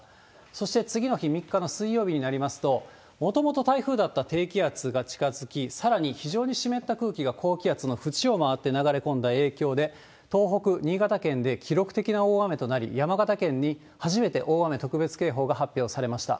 そして次の日、３日の水曜日になりますと、もともと台風だった低気圧が近づき、さらに非常に湿った空気が高気圧の縁を回って流れ込んだ影響で、東北、新潟県で記録的な大雨となり、山形県に初めて大雨特別警報が発表されました。